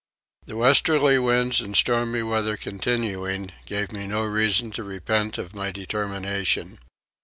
The westerly winds and stormy weather continuing gave me no reason to repent of my determination.